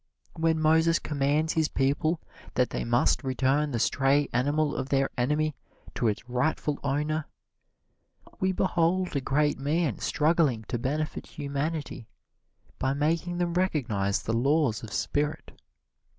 When Moses commands his people that they must return the stray animal of their enemy to its rightful owner, we behold a great man struggling to benefit humanity by making them recognize the laws of Spirit.